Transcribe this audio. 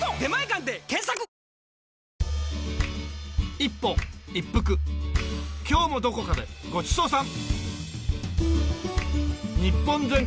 一歩いっぷく今日もどこかでごちそうさん！